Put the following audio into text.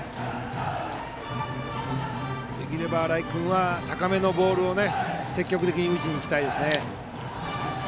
できれば新井君は高めのボールを積極的に打ちに行きたいですね。